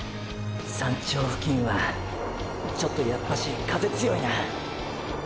山頂付近はちょっとやっぱし風つよいな。